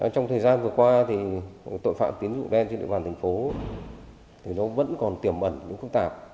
trong thời gian vừa qua tội phạm tín dụng đen trên địa bàn thành phố vẫn còn tiềm ẩn những khúc tạp